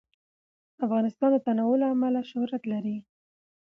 افغانستان د تنوع له امله شهرت لري.